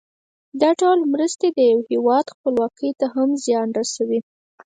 دا ډول مرستې د یو هېواد خپلواکۍ ته هم زیان رسوي.